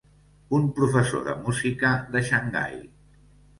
Un professor de música de Xangai.